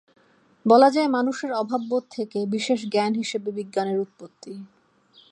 বলা যায়, মানুষের অভাববোধ থেকে বিশেষ জ্ঞান হিসেবে বিজ্ঞানের উৎপত্তি।